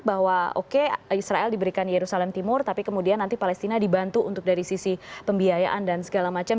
bahwa oke israel diberikan yerusalem timur tapi kemudian nanti palestina dibantu untuk dari sisi pembiayaan dan segala macam